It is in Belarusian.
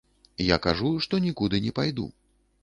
Я кажу, што нікуды не пайду.